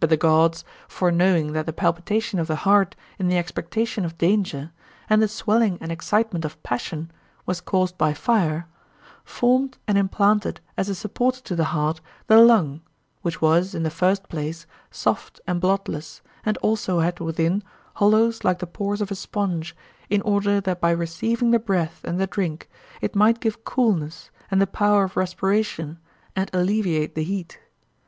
But the gods, foreknowing that the palpitation of the heart in the expectation of danger and the swelling and excitement of passion was caused by fire, formed and implanted as a supporter to the heart the lung, which was, in the first place, soft and bloodless, and also had within hollows like the pores of a sponge, in order that by receiving the breath and the drink, it might give coolness and the power of respiration and alleviate the heat.